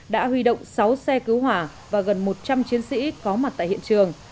đã huy động sáu xe cứu hỏa và gần một trăm linh chiến sĩ có mặt tại hiện trường